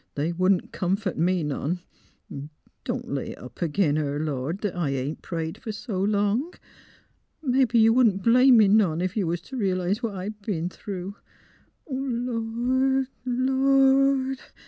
They wouldn't comfort me none. ... Don't lay it up ag 'in her, Lord, that I ain't prayed fer s' long. ... Mebbe you wouldn't blame me none, ef you was t' re 'lise what I b 'en through. ... Lord — Lord!"